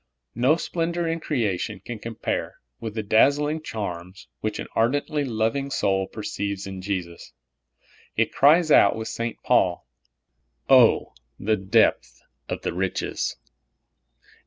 No .splendor in creation can com pare with the dazzling charms which an ardently lov ing soul peceives in Jesus. It cries out, with St. Paul, "Oh, the depth of the riches!"